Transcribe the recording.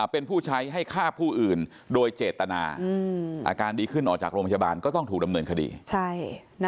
เป็นผู้ใช้ให้ฆ่าผู้อื่นโดยเจตนาอาการดีขึ้นออกจากโรงพยาบาลก็ต้องถูกดำเนินคดี